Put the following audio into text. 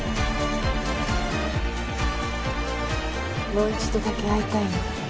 もう一度だけ会いたいの。